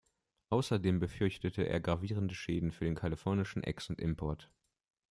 Außerdem befürchtete er gravierende Schäden für den kalifornischen Ex- und Import.